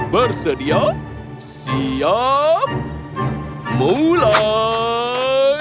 bersedia siap mulai